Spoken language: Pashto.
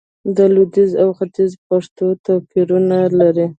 د لويديځ او ختيځ پښتو توپير لري